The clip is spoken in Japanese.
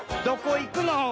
どこいくの？